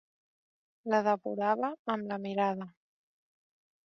La devorava amb la mirada.